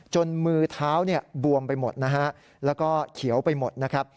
มือเท้าเนี่ยบวมไปหมดนะฮะแล้วก็เขียวไปหมดนะครับ